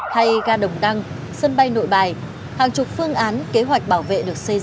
hay ga đồng đăng sân bay nội bài hàng chục phương án kế hoạch bảo vệ được xây dựng